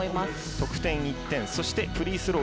得点１点フリースロー